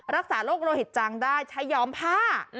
รักษาโรคโรหิตจังได้ใช้ย้อมผ้า